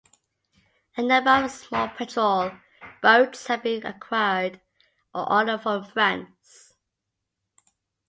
A number of small patrol boats have been acquired or ordered from France.